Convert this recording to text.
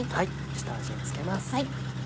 下味を付けます。